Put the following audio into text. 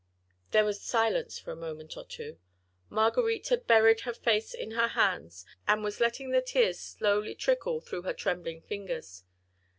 There was silence for a moment or two. Marguerite had buried her face in her hands, and was letting the tears slowly trickle through her trembling fingers.